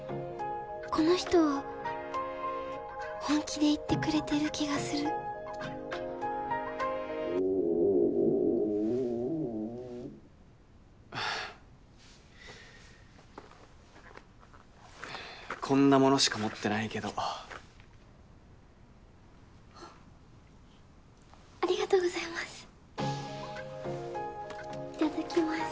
この人は本気で言ってくれてる気がするこんなものしか持ってないけどありがとうございますいただきます